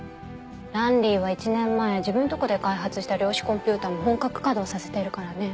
ランリーは１年前自分のとこで開発した量子コンピュータも本格稼働させてるからね。